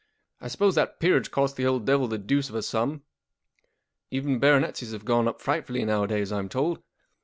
I suppose that peerage cost the old devil the deuce of a sum. Even baronetcies have gone up frightfully nowadays. I'm told.